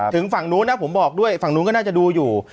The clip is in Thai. ฝั่งนู้นนะผมบอกด้วยฝั่งนู้นก็น่าจะดูอยู่